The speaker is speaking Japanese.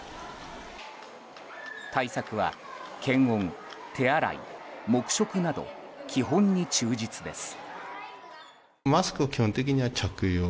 対策は検温、手洗い、黙食など基本に忠実です。